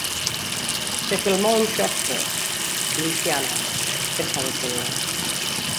Se filmó en Shreveport, Louisiana, Estados Unidos.